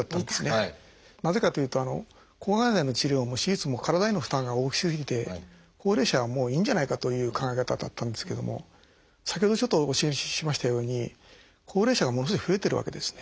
なぜかというと抗がん剤の治療も手術も体への負担が大きすぎて高齢者はもういいんじゃないかという考え方だったんですけども先ほどちょっとお教えしましたように高齢者がものすごい増えてるわけですね。